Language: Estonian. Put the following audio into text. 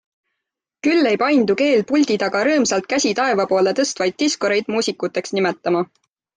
Küll ei paindu keel puldi taga rõõmsalt käsi taeva poole tõstvaid diskoreid muusikuteks nimetama.